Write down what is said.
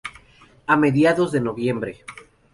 A mediados de noviembre.